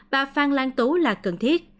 và phan lan tú là cần thiết